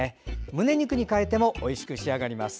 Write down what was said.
むね肉に代えてもおいしく仕上がります。